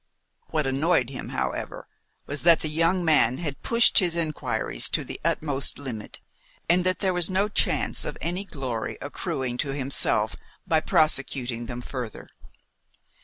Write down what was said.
What annoyed him, however, was that the young man had pushed his inquiries to the uttermost limit; and that there was no chance of any glory accruing to himself by prosecuting them further.